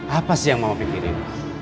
apa sih yang mau pikirin